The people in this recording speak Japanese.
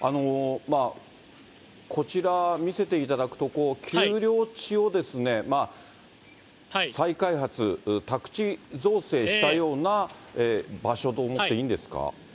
こちら、見せていただくと、丘陵地を再開発、宅地造成したような場所と思っていいんですか？